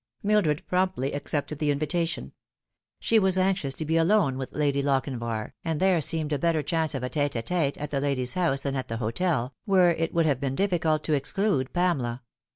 Mildred promptly accepted the invitation. She was anxious to be alone with Lady Lochinvar, and there seemed a better chance of a tete d tete at the lady's house than at the hotel, where it would have been difficult to exclude Pamela.